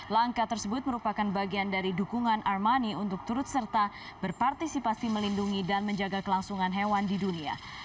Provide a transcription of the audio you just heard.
langkah tersebut merupakan bagian dari dukungan armani untuk turut serta berpartisipasi melindungi dan menjaga kelangsungan hewan di dunia